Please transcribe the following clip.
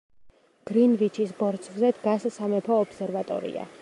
გრინვიჩის ბორცვზე დგას სამეფო ობსერვატორია.